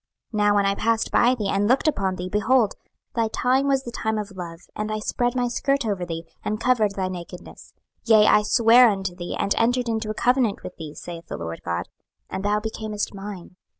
26:016:008 Now when I passed by thee, and looked upon thee, behold, thy time was the time of love; and I spread my skirt over thee, and covered thy nakedness: yea, I sware unto thee, and entered into a covenant with thee, saith the Lord GOD, and thou becamest mine.